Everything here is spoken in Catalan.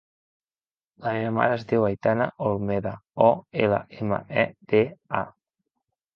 La meva mare es diu Aitana Olmeda: o, ela, ema, e, de, a.